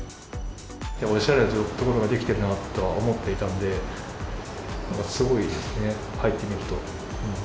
おしゃれなところが出来てるなとは思っていたので、すごいですね、入ってみると。